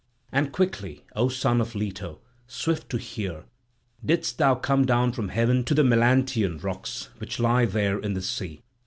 And quickly, O son of Leto, swift to hear, didst thou come down from heaven to the Melantian rocks, which lie there in the sea.